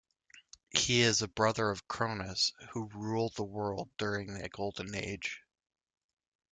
He is a brother of Cronus, who ruled the world during the Golden Age.